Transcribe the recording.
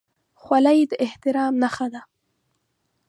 خولۍ د احترام نښه ده.